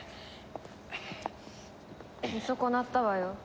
見損なったわよ。